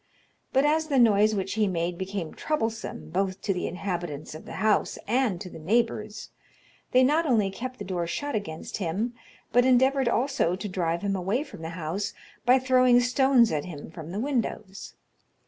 But as the noise which he made became troublesome both to the inhabitants of the house and to the neighbours, they not only kept the door shut against him, but endeavoured also to drive him away from the house by throwing stones at him from the windows.